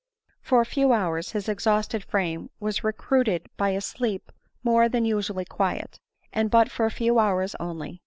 . For a few hours his exhausted frame was recruited by a sleep more than usually quiet, and but for a few hours only.